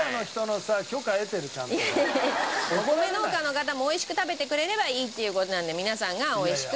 お米農家の方も美味しく食べてくれればいいっていう事なんで皆さんが美味しく。